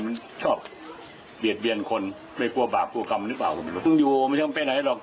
มันชอบเบียดเบียนคนไม่กลัวบาปกลัวกรรมหรือเปล่าผมไม่รู้เพิ่งอยู่ไม่ต้องไปไหนหรอก